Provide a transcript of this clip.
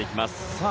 さあ、